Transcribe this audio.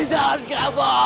itu kan suaminya mbak rosa